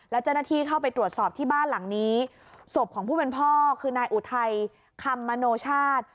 แล้วเจ้าหน้าที่เข้าไปตรวจสอบที่บ้านหลังนี้ศพของผู้เป็นพ่อคือนายอุทัยคำมโนชาติ